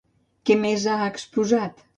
Què més ha exposat?